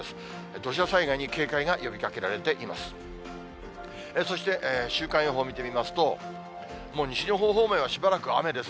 土砂災害に警戒が呼びかけられています。